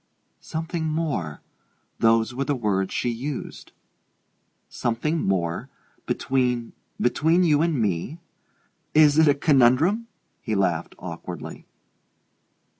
"Something more those were the words she used." "Something more? Between between you and me? Is it a conundrum?" He laughed awkwardly.